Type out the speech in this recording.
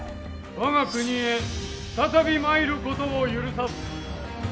我が国へ再び参ることを許さず。